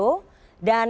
dan kami berharap